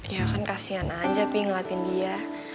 ya kan kasihan aja pi ngelatih dia